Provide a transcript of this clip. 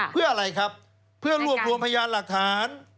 เพื่ออะไรครับเพื่อรวบรวมพยานหลักฐาน